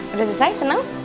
udah selesai seneng